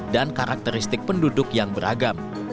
dan karakteristik penduduk yang beragam